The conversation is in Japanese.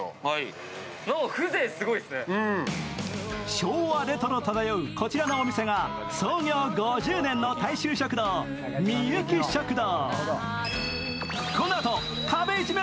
昭和レトロ漂うこちらのお店が創業５０年の大衆食堂、みゆき食堂